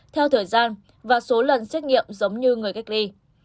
theo thời gian và số lần xét nghiệm giống như người cách ly